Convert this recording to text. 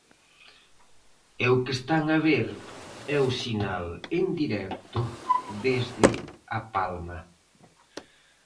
E o que están a ver é o sinal en directo desde A Palma.